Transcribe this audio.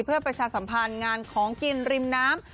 เพื่อประชาสัมพันธ์งานของกินริมน้ำ